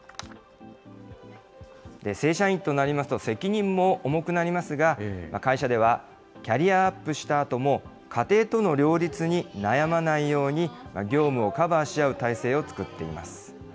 正社員となりますと責任も重くなりますが、会社ではキャリアアップしたあとも、家庭との両立に悩まないように業務をカバーし合う体制を作っています。